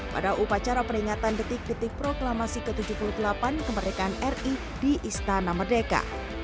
pada upacara peringatan detik detik proklamasi ke tujuh puluh delapan kemerdekaan ri di istana merdeka